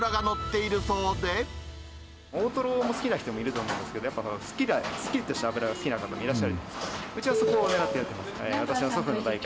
大トロも好きな人もいると思うんですけど、やっぱりすっきりとした脂が好きな方もいらっしゃるじゃないですか。